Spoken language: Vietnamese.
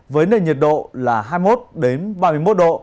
với nền nhiệt độ là hai mươi một ba mươi một độ